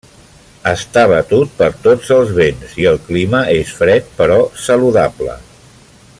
Està batut per tots els vents, i el clima és fred però saludable.